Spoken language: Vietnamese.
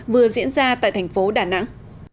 vừa diễn ra tại thành phố đà nẵng